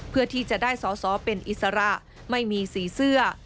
เพื่อที่จะได้สอสอเป็นอิสระไม่มีสีเสื้อ